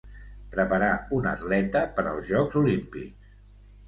Preparar un atleta per als Jocs Olímpics.